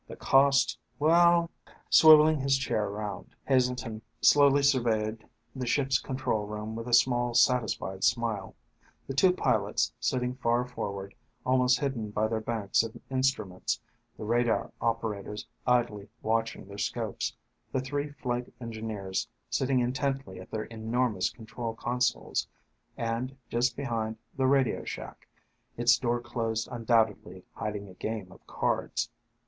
The cost? Well ..." Swiveling his chair around, Heselton slowly surveyed the ship's control room with a small, satisfied smile. The two pilots sitting far forward, almost hidden by their banks of instruments, the radar operators idly watching their scopes, the three flight engineers sitting intently at their enormous control consoles, and, just behind, the radio shack its closed door undoubtedly hiding a game of cards.